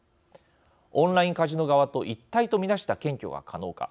オンラインカジノ側と一体と見なした検挙が可能か。